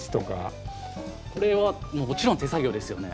これはもちろん手作業ですよね。